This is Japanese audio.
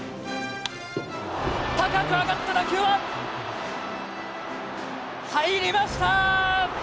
高く上がった打球は、入りました。